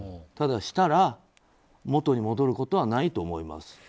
ただ、したら元に戻ることはないと思います。